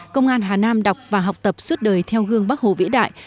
công an hà nam đọc và học tập suốt đời theo gương bắc hồ vĩ đại